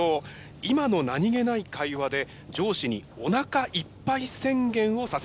今の何気ない会話で上司におなかいっぱい宣言をさせました。